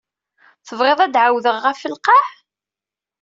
Tebɣiḍ ad d-ɛawdeɣ ɣef lqaɛ?